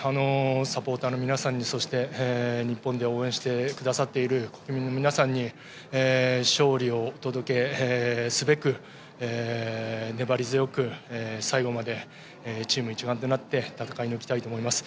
サポーターの皆さんにそして日本で応援してくださっている国民の皆さんに勝利をお届けすべく粘り強く最後までチーム一丸となって戦い抜きたいと思います。